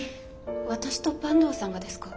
私と坂東さんがですか？